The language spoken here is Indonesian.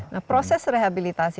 nah proses rehabilitasi